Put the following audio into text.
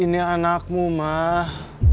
ini anakmu mah